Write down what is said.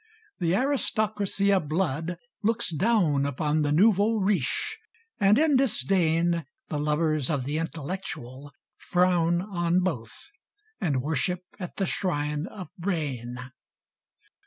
The aristocracy of blood looks down Upon the "nouveau riche;" and in disdain, The lovers of the intellectual frown On both, and worship at the shrine of brain.